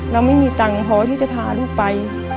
เราไม่มีตังค์พอที่จะพาลูกไป